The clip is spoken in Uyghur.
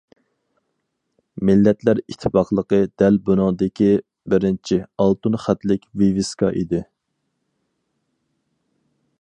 مىللەتلەر ئىتتىپاقلىقى دەل بۇنىڭدىكى بىرىنچى« ئالتۇن خەتلىك ۋىۋىسكا» ئىدى.